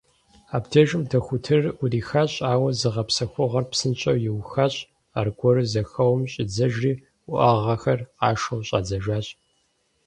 Абдежым дохутырыр Ӏурихащ, ауэ зыгъэпсэхугъуэр псынщӀэу иухащ, аргуэру зэхэуэм щӀидзэжри уӀэгъэхэр къашэу щӀадзэжащ.